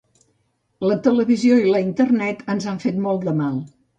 La televisió i la Internet ens han fet molt de mal.